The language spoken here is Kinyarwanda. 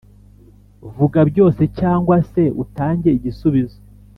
vuga byose cyangwa se utange igisubizo